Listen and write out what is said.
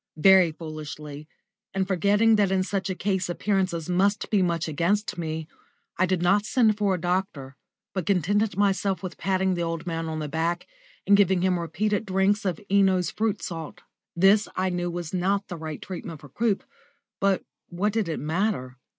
Very foolishly, and forgetting that in such a case appearances must be much against me, I did not send for a doctor, but contented myself with patting the old man on the back and giving him repeated drinks of Eno's Fruit Salt. This I knew was not the right treatment for croup, but what did it matter?